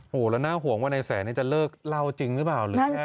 โหแล้วน่าหวงว่ายาแสนนี่จะเลิกเล่าจริงรึเปล่า